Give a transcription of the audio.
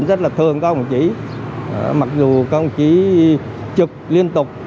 rất là thương các đồng chí mặc dù các đồng chí trực liên tục